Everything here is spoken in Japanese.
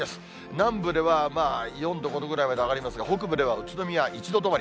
南部では４度、５度ぐらいまで上がりますが、北部では宇都宮１度止まり。